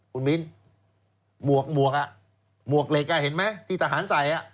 คุณมิ้นหมวกหมวกหมวกเหล็กเห็นไหมที่ทหารใส่